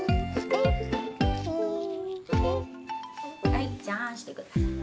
はいじゃああんしてください。